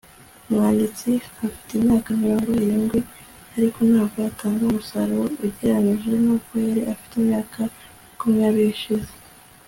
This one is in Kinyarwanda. Umwanditsi afite imyaka mirongo irindwi ariko ntabwo atanga umusaruro ugereranije nuko yari afite imyaka makumyabiri ishize